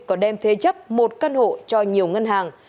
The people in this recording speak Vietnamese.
có đem thế chấp một căn hộ cho nhiều ngân hàng